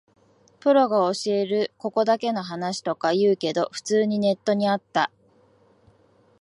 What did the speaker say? プロが教えるここだけの話とか言うけど、普通にネットにあった